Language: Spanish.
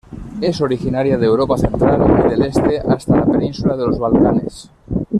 Es originaria de Europa central y del este hasta la Península de los Balcanes.